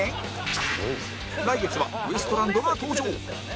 来月はウエストランドが登場